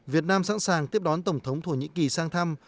việt nam sẵn sàng tiếp đón tổng thống thổ nhĩ kỳ sang thăm